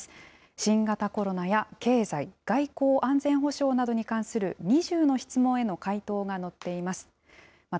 新型コロナや経済、外交・安全保障などに関する２０の質問への回答が載っています。